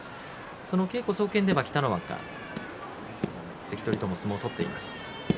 その稽古総見では北の若は関取とも相撲を取っています。